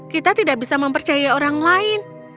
kita tidak bisa mempercaya orang lain